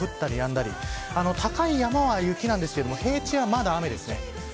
雨が平野部でも降ったりやんだり高い山は雪なんですけど平地は、まだ雨です。